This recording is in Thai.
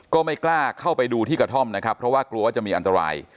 ก็ไม่กล้าเข้าไปดูที่กระท่อมนะครับเพราะว่ากลัวว่าจะมีอันตราย